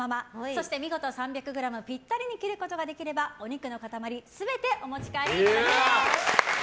そして見事３００ｇピッタリに切ることができればお肉の塊全てお持ち帰りいただけます。